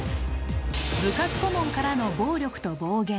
部活顧問からの暴力と暴言。